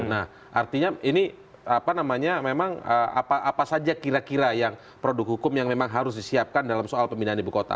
nah artinya ini apa namanya memang apa saja kira kira yang produk hukum yang memang harus disiapkan dalam soal pemindahan ibu kota